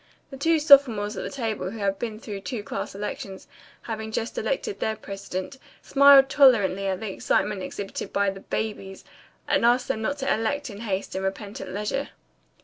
The two sophomores at the table who had been through two class elections, having just elected their president, smiled tolerantly at the excitement exhibited by the "babies," and advised them not to elect in haste and repent at leisure.